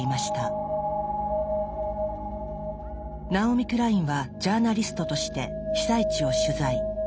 ナオミ・クラインはジャーナリストとして被災地を取材。